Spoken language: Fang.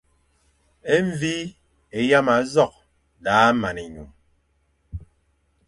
E mvi é yama nzokh daʼa man enyum.